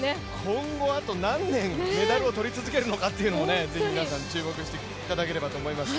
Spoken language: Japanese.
今後、あと何年メダルを取り続けるのかと是非皆さん、注目していただければと思います。